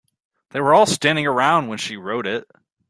They were all standing around when she wrote it.